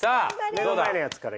目の前のやつから。